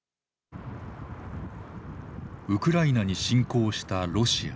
ウクライナに侵攻したロシア。